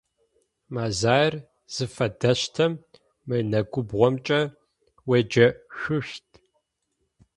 Мэзаер зыфэдэщтым мы нэгубгъомкӏэ уеджэшъущт.